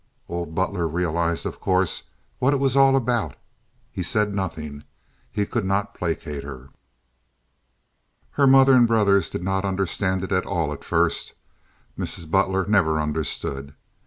Old Butler realized, of course, what it was all about. He said nothing. He could not placate her. Her mother and brothers did not understand it at all at first. (Mrs. Butler never understood.)